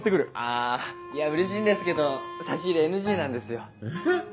あいやうれしいんですけど差し入れＮＧなんですよ。えっ？